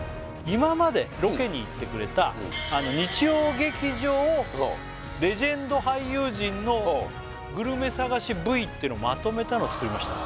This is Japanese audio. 今までロケに行ってくれた日曜劇場レジェンド俳優陣のグルメ探しＶっていうのをまとめたの作りました